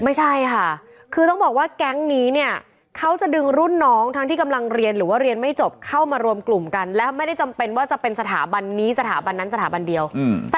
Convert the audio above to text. ไม่ใช่ค่ะคือต้องบอกว่าแก๊งนี้เนี่ยเขาจะดึงรุ่นน้องทั้งที่กำลังเรียนหรือว่าเรียนไม่จบเข้ามารวมกลุ่มกันและไม่ได้จำเป็นว่าจะเป็นสถาบันนี้สถาบันนั้นสถาบันเดียว